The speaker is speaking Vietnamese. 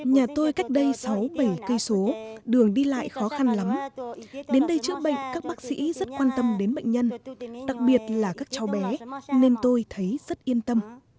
nhà tôi cách đây sáu bảy km đường đi lại khó khăn lắm đến đây chữa bệnh các bác sĩ rất quan tâm đến bệnh nhân đặc biệt là các cháu bé nên tôi thấy rất yên tâm